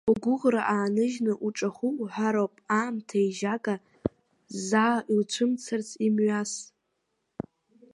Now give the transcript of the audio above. Угәыӷра ааныжьны уҿахәы уҳәароуп, аамҭа еижьага заа иуцәымцарц имҩас.